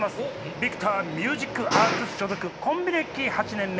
ビクターミュージックアーツ所属コンビ歴８年目